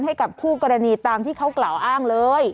ให้กับคู่กรณีตามที่เขากล่าวอ้างเลย